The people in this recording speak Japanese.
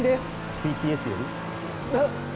ＢＴＳより？